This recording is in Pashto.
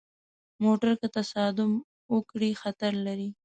موټر که تصادم وکړي، خطر لري.